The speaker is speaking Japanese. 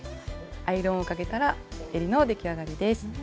アイロンをかけたらえりの出来上がりです。